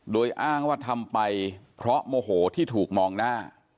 โดยอ้างว่าทำไปเพราะโมโหที่ถูกมองหน้า